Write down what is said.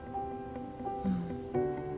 うん。